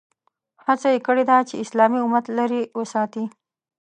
هڅه یې کړې ده چې اسلامي امت لرې وساتي.